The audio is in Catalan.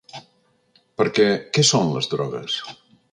Perquè, què són les drogues?